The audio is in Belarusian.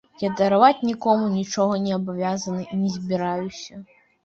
Я дараваць нікому нічога не абавязаны, і не збіраюся.